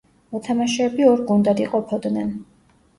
მოთამაშეები ორ გუნდად იყოფოდნენ.